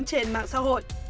trên mạng xã hội